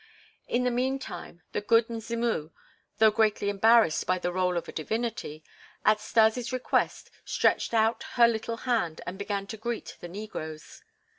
In the meantime the "Good Mzimu," though greatly embarrassed by the role of a divinity, at Stas' request stretched out her little hand and began to greet the negroes.